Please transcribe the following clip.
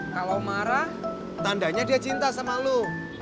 kalau marah tandanya dia cinta sama lo